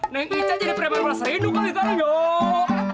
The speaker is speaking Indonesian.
neng ica jadi primer pasar hidup kali sekarang yuk